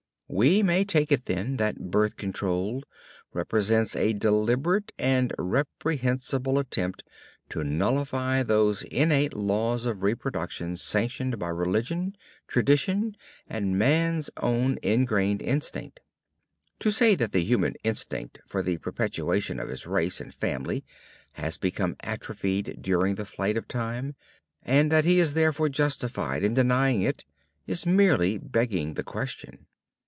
We may take it, then, that "birth control" represents a deliberate and reprehensible attempt to nullify those innate laws of reproduction sanctioned by religion, tradition and man's own ingrained instinct. To say that the human instinct for the perpetuation of his race and family has become atrophied during the flight of time, and that he is therefore justified in denying it, is merely begging the question.